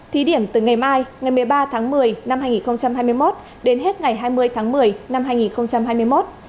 thí điểm từ ngày mai ngày một mươi ba tháng một mươi năm hai nghìn hai mươi một đến hết ngày hai mươi tháng một mươi năm hai nghìn hai mươi một